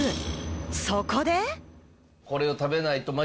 そこで。